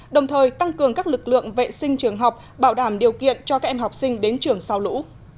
đồng thời tăng cường các lực lượng vệ sinh trường học bảo đảm điều kiện cho các em học sinh đến trường sau lũ